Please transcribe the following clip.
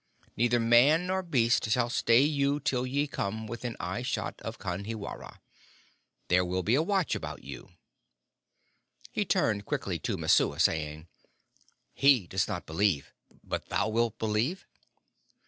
Neither man nor beast shall stay you till ye come within eye shot of Kanhiwara. There will be a watch about you." He turned quickly to Messua, saying, "He does not believe, but thou wilt believe?"